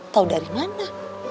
tahu dari mana